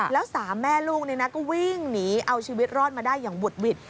แล้ว๓แม่ลูกก็วิ่งหนีเอาชีวิตรอดมาได้อย่างบุดหวิด